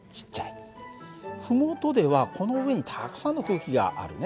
麓ではこの上にたくさんの空気があるね。